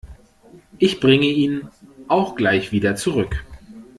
Ich bringe ihn auch gleich wieder zurück.